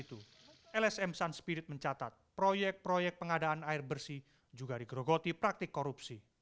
setelah itu lsm sunspirit mencatat proyek proyek pengadaan air bersih juga digerogoti praktik korupsi